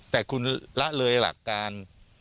แต่คุณละเลยหลักการ